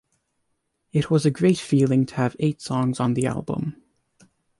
It was a great feeling to have eight songs on the album.